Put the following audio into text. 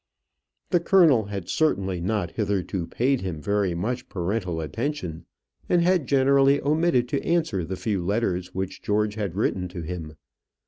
The colonel had certainly not hitherto paid him very much parental attention, and had generally omitted to answer the few letters which George had written to him.